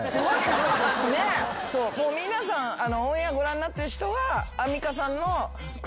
皆さんオンエアご覧になってる人はアンミカさんの。